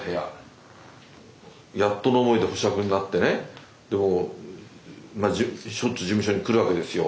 やっとの思いで保釈になってねでもうしょちゅう事務所に来るわけですよ。